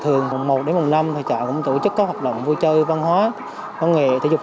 thường một đến một năm thì trại cũng tổ chức các hoạt động vui chơi văn hóa văn nghệ thể dục